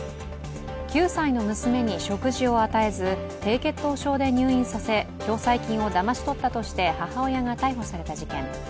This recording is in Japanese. ９歳の娘に食事を与えず低血糖症で入院させ、共済金をだまし取ったとして母親が逮捕された事件。